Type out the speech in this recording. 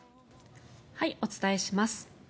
お伝えします。